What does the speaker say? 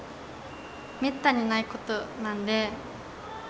めったにないことなんで。